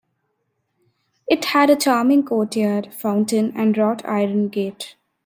It had a charming courtyard, fountain, and wrought iron gate.